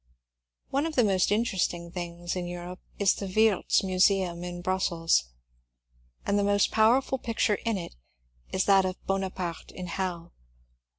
One of the most interesting things in Europe is the Wiertz Museum in Brussels, and the most powerful picture in it is that of ^' Bonaparte in Hell.